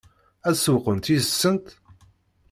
Ad sewweqent yid-sent?